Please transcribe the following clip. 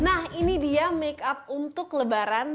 nah ini dia makeup untuk lebaran